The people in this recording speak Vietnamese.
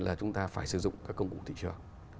là chúng ta phải sử dụng các công cụ thị trường